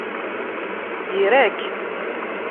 Ira-k!